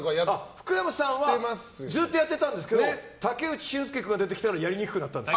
福山さんはずっとやってたんですけど武内駿輔君が出てきてやらなくなったんです。